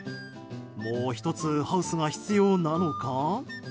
もう１つハウスが必要なのか。